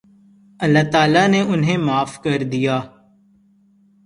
اللہ تعالیٰ نے انھیں معاف کر دیا